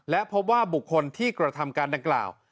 และพบว่าบุคคลที่กระทำการดังกล่าว